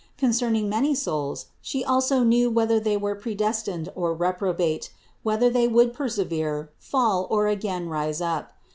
Concern ing many souls She also knew whether they were pre destined or reprobate, whether they would persevere, fall, or again rise up.